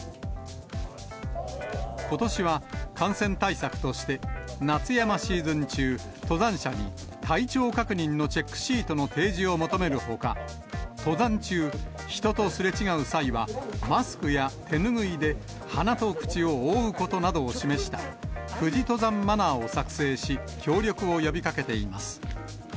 ことしは、感染対策として、夏山シーズン中、登山者に、体調確認のチェックシートの提示を求めるほか、登山中、人とすれ違う際は、マスクや手拭いで、鼻と口を覆うことなどを示した、富士登山マナーを作成し、協力を呼びかけています。